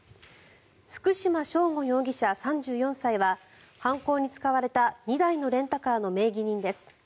福島聖悟容疑者、３４歳は犯行に使われた２台のレンタカーの名義人です。